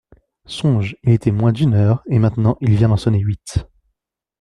Songe … il était moins d'une heure, et maintenant il vient d'en sonner huit.